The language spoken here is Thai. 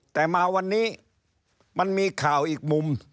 แต่มาวันนี้มันมีข่าวอีกมุม